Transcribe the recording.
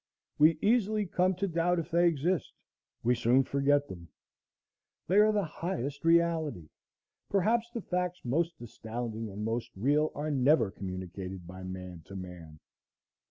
We easily come to doubt if they exist. We soon forget them. They are the highest reality. Perhaps the facts most astounding and most real are never communicated by man to man.